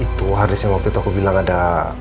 itu harddisk yang waktu itu aku bilang ada